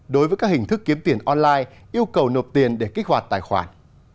đối với các hình thức kiếm tiền online yêu cầu nộp tiền để kích hoạt tài khoản